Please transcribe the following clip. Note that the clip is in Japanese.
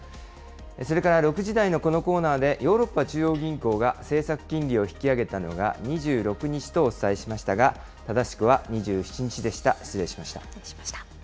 それから６時台のこのコーナーでヨーロッパ中央銀行が政策金利を引き上げたのが２６日とお伝えしましたが、正しくは２７日でした。